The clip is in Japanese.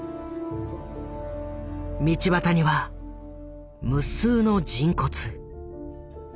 道端には無数の人骨。